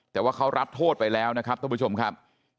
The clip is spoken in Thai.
แต่ว่าเขารับโทษไปแล้วนะครับท่านผู้ชมครับ